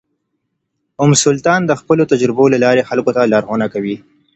ام سلطان د خپلو تجربو له لارې خلکو ته لارښوونه کوي.